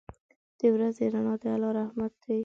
• د ورځې رڼا د الله رحمت دی.